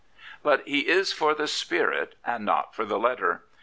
But he is for the spirit and not for the letter.